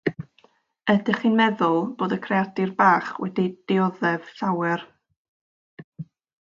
Ydych chi'n meddwl bod y creadur bach wedi dioddef llawer?